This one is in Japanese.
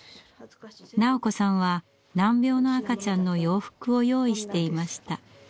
斉子さんは難病の赤ちゃんの洋服を用意していました。